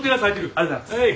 ありがとうございます。